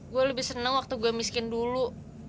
gue lebih seneng waktu gue miskin dulu